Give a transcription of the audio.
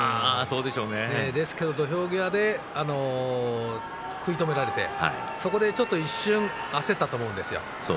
ですけれども土俵際で食い止められてそこでちょっと一瞬焦ったと思うんですよ。